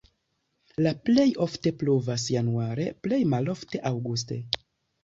La plej ofte pluvas januare, plej malofte aŭguste.